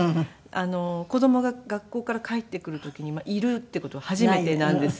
子供が学校から帰ってくる時にいるっていう事が初めてなんですよね。